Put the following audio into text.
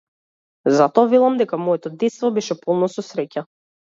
Затоа велам дека моето детство беше полно со среќа.